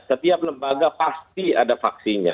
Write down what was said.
setiap lembaga pasti ada vaksinnya